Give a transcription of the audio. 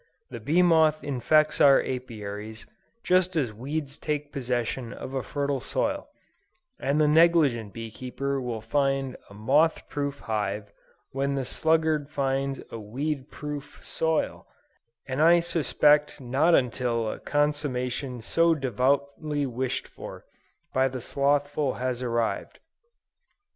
The bee moth infects our Apiaries, just as weeds take possession of a fertile soil; and the negligent bee keeper will find a "moth proof" hive, when the sluggard finds a weed proof soil, and I suspect not until a consummation so devoutly wished for by the slothful has arrived.